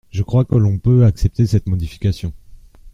Je crois que l’on peut accepter cette modification.